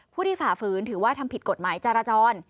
ที่ฝ่าฝืนถือว่าทำผิดกฎหมายจราจร